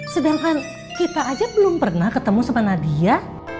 sedangkan kita aja belum pernah ketemu sama nadia